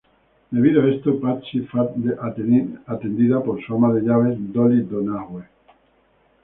Debido a esto, Patsy fue atendida por su ama de llaves Dolly Donahue.